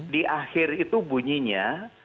di akhir itu bunyinya